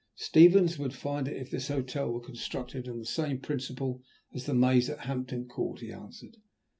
"Stevens would find it if this hotel were constructed on the same principle as the maze at Hampton Court," he answered.